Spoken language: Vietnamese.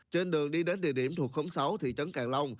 trên đường đi đến địa điểm thuộc khóng sáu thị trấn càng long